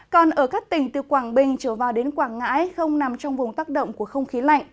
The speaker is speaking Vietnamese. còn ở các tỉnh từ quảng bình trở vào đến quảng ngãi không nằm trong vùng tác động của không khí lạnh